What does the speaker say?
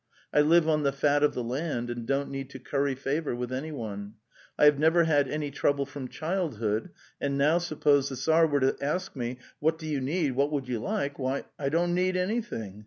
I live on the fat of the land, and don't need to curry favour with anyone. I have never had any trouble from child hood, and now suppose the Tsar were to ask me, 'What do you need? What would you like?' why, I don't need anything.